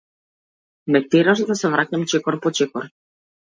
Ме тераш да се враќам чекор по чекор.